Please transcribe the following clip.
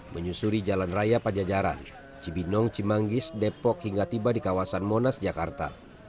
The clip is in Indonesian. menyusuri jalan raya pajajaran cibinong cimanggis depok hingga tiba di kawasan monas jakarta